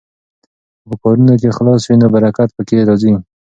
که په کارونو کې اخلاص وي نو برکت پکې راځي.